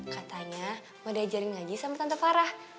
katanya mau diajarin ngaji sama tante farah